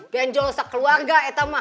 benjol sekeluarga itu mah